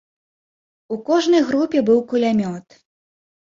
У кожнай групе быў кулямёт.